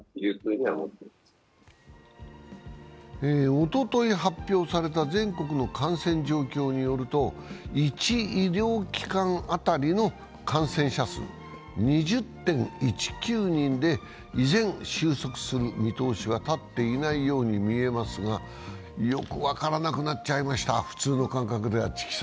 おととい発表された全国の感染状況によると１医療機関当たりの感染者数は２０．１９人で、依然、収束する見通しは立っていないように見えますがよく分からなくなっちゃいました、普通の感覚では。